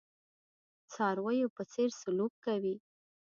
څارویو په څېر سلوک کوي.